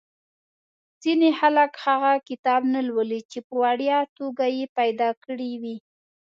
ځینې خلک هغه کتاب نه لولي چې په وړیا توګه یې پیدا کړی وي.